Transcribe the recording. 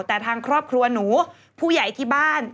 แต่ทางครอบครัวหนูผู้ใหญ่ที่บ้าน